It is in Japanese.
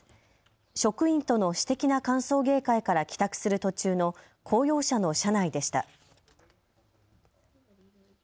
職員との私的な歓送迎会から帰宅する途中の公用車の車内でした。